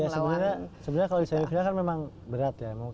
sebenernya kalau di semifinal kan memang berat ya